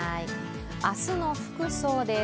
明日の服装です。